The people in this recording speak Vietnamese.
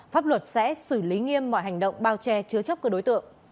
pháp luật sẽ xử lý nghiêm mọi hành động bao che chứa chấp các đối tượng